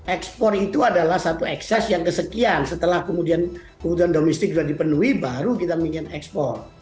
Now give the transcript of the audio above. ekspor itu adalah satu ekses yang kesekian setelah kemudian kebutuhan domestik sudah dipenuhi baru kita ingin ekspor